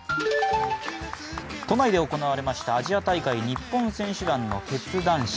都内で行われましたアジア大会日本選手団の結団式。